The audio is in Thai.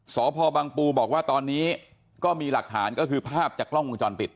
สพบังปูบอกว่าตอนนี้ก็มีหลักฐานก็คือภาพจากกล้องวงจรปิด